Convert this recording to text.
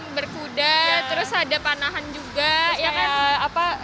ada permainan berkuda ada panahan juga